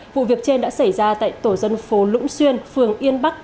vụ việc trên đã xảy ra tại tổ dân phố lũng xuyên phường yên bắc